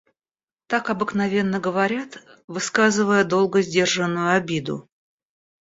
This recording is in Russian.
Так обыкновенно говорят, высказывая долго сдержанную обиду.